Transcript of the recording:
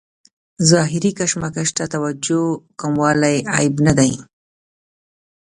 ظاهري کشمکش ته توجه کموالی عیب نه دی.